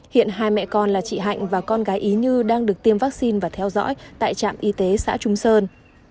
hiện hai mẹ con là chị hạnh và con gái ý như đang được tiêm vaccine và theo dõi tại trạm y tế xã trung sơn